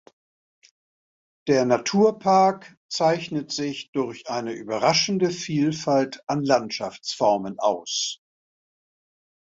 Der Naturpark zeichnet sich durch eine überraschende Vielfalt an Landschaftsformen aus.